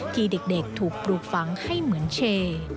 ที่เด็กถูกปลูกฝังให้เหมือนเช